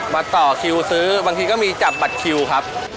มาต่อคิวซื้อบางทีก็มีจับบัตรคิวครับ